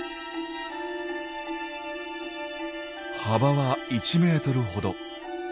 幅は１ｍほど。